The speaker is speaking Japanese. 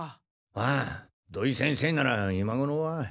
ああ土井先生なら今ごろは。